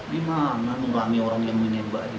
di mana mengamai orang yang menyebabkan ini